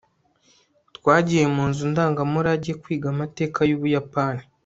twagiye mu nzu ndangamurage kwiga amateka y'ubuyapani